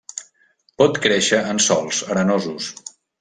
Pot créixer en sòls arenosos.